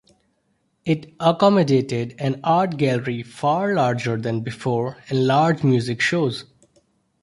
It accommodated an art gallery far larger than before, and larger music shows.